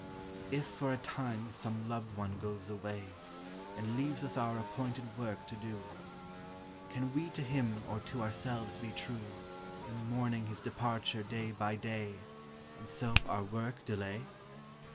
If for a time some loved one goes away, And leaves us our appointed work to do, Can we to him or to ourselves be true In mourning his departure day by day, And so our work delay?